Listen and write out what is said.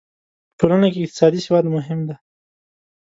په ټولنه کې اقتصادي سواد مهم دی.